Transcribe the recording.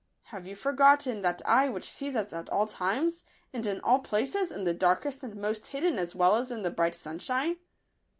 Have you forgotten that Eye which sees us at all times, and in all places, in the darkest and most hidden as well as in the bright sunshine